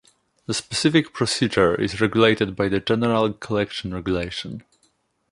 The specific procedure is regulated by the General Collection Regulation.